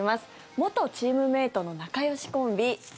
元チームメートの仲よしコンビ。